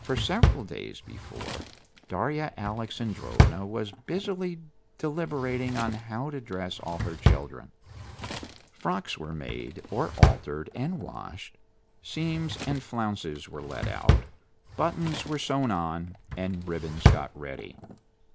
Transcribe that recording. For several days before, Darya Alexandrovna was busily deliberating on how to dress all the children. Frocks were made or altered and washed, seams and flounces were let out, buttons were sewn on, and ribbons got ready.